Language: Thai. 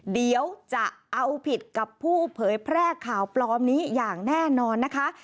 เดี๋ยวจะเอาผิดกับผู้เผยแพร่ข่าวปลอมนี้อย่างแน่นอนนะคะ